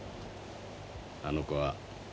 あの子は。